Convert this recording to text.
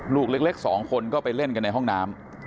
ลูกเล็ก๒คนก็ไปเล่นกันในห้องน้ำ